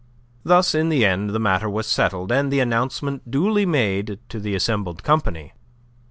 Thus in the end the matter was settled, and the announcement duly made to the assembled company.